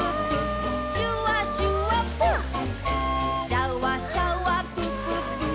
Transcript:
「シャワシャワプププ」ぷー。